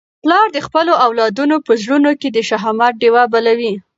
پلار د خپلو اولادونو په زړونو کي د شهامت ډېوه بلوي.